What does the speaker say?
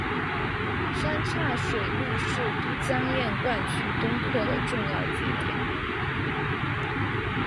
三岔水库是都江堰灌区东扩的重要节点。